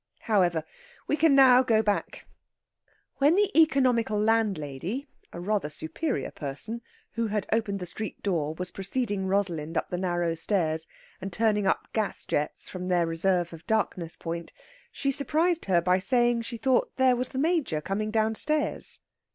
However, we can now go back. When the economical landlady (a rather superior person) who had opened the street door was preceding Rosalind up the narrow stairs, and turning up gas jets from their reserve of darkness point, she surprised her by saying she thought there was the Major coming downstairs.